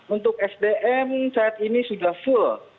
untuk sdm saat ini sudah full